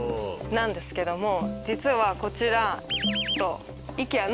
なんですけども実はこちら。